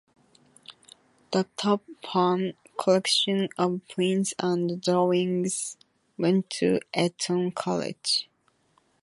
The Topham Collection of prints and drawings went to Eton College.